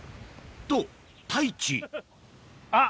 と太一あっ